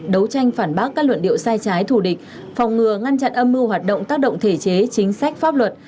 đấu tranh phản bác các luận điệu sai trái thù địch phòng ngừa ngăn chặn âm mưu hoạt động tác động thể chế chính sách pháp luật